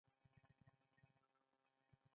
• فریب انسان ته عزت نه ورکوي.